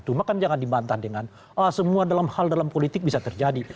cuma kan jangan dibantah dengan semua dalam hal dalam politik bisa terjadi